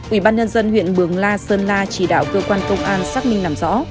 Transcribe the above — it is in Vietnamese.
ubnd huyện mường la sơn la chỉ đạo cơ quan công an xác minh làm rõ